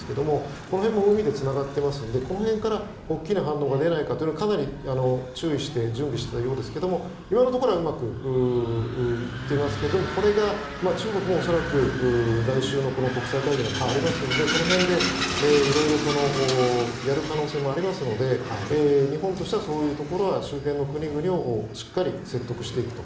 この辺も海でつながっていますのでこの辺から大きな反応が出ないかかなり注意して準備していたようですが今のところうまくいっていますがこれが中国も恐らく来週も国際会議がありますのでその辺でいろいろやる可能性もありますので日本としてはそういうところは周辺の国々をしっかり説得していくと。